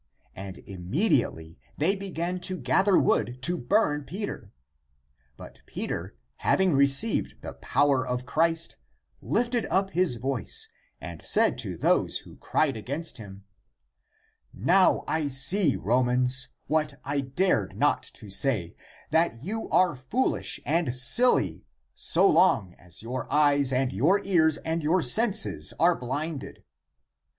And im mediately they began to gather wood to burn Peter. But Peter, having received the power of Christ, lifted up his voice and said to those who cried against him, " Now I see, Romans — what I dared not to say — that you are foolish and silly, so long as your eyes and your ears, and your senses are blinded.